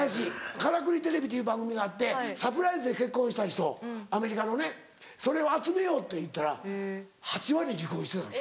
『からくりＴＶ』という番組があってサプライズで結婚した人アメリカのねそれを集めようっていったら８割離婚してたの。